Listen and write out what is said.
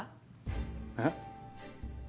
えっ？